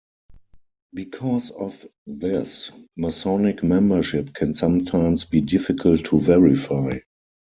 Because of this, masonic membership can sometimes be difficult to verify.